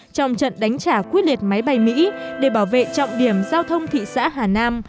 trong trận đánh trả quyết liệt máy bay mỹ để bảo vệ trọng điểm giao thông thị xã hà nam